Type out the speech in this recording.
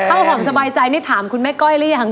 ข้าวหอมสบายใจนี่ถามคุณแม่ก้อยหรือยัง